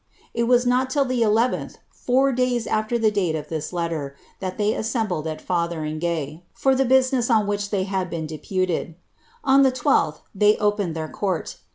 was not till the 1 1th, four days after the date of this letter, that I assembled at Fotheringaye for the business on which they had 1 deputed. On the I2th, ihcy opened their court.